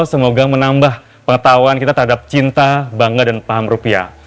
semoga menambah pengetahuan kita terhadap cinta bangga dan paham rupiah